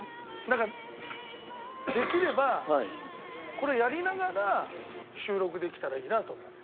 なんかできればこれやりながら収録できたらいいなと思う。